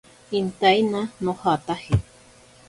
Intaina nojataje.